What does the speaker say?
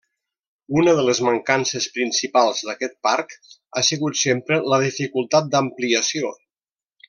Una de les mancances principals d'aquest parc ha sigut sempre la dificultat d'ampliació.